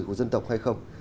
của dân tộc hay không